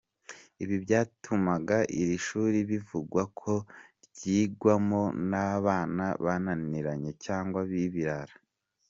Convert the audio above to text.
Ibi byatumaga iri shuri bivugwa ko ryigwamo n’abana bananianye cyangwa b’ibirara.